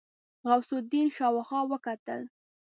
غوث الدين شاوخوا وکتل.